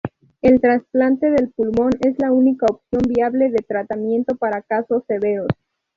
El trasplante de pulmón es la única opción viable de tratamiento para casos severos.